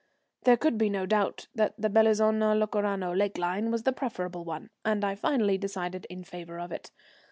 There could be no doubt that the Bellizona Locarno Lake line was the preferable one, and I finally decided in favour of it.